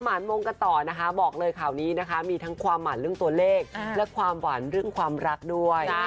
หวานมงกันต่อนะคะบอกเลยข่าวนี้นะคะมีทั้งความหวานเรื่องตัวเลขและความหวานเรื่องความรักด้วย